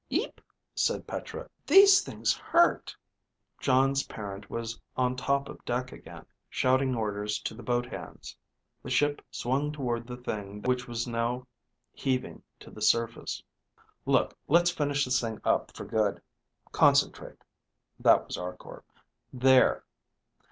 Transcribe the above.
(Eep, said Petra. These things hurt.) Jon's parent was on top of deck again, shouting orders to the boat hands. The ship swung toward the thing which was now heaving to the surface. (Look, let's finish this thing up for good. Concentrate. That was Arkor. _There....